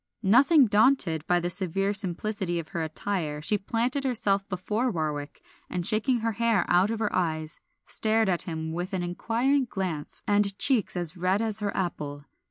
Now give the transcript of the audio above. Nothing daunted by the severe simplicity of her attire she planted herself before Warwick, and shaking her hair out of her eyes stared at him with an inquiring glance and cheeks as red as her apple.